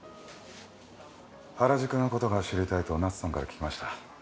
原宿のことが知りたいとナツさんから聞きました。